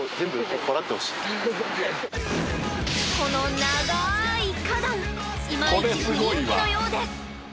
この長い花壇いまいち不人気のようです